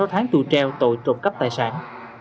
sáu tháng tù treo tội trộm cắp tài sản